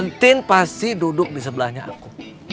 litin pasti duduk di sebelahnya aku